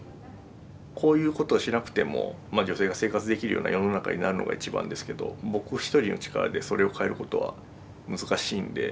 こういうことをしなくても女性が生活できるような世の中になるのが一番ですけど僕一人の力でそれを変えることは難しいんで。